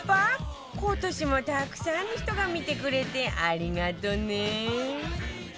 今年もたくさんの人が見てくれてありがとね！